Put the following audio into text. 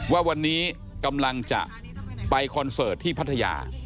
ว่าวันนี้กำลังจะไปคอนเสิร์ตที่พัทยา